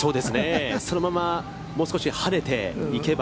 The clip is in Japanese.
そのままもう少し跳ねていけば。